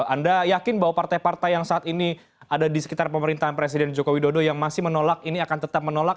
anda yakin bahwa partai partai yang saat ini ada di sekitar pemerintahan presiden joko widodo yang masih menolak ini akan tetap menolak